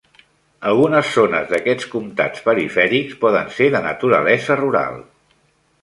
Algunes zones d'aquests comptats perifèrics poden ser de naturalesa rural.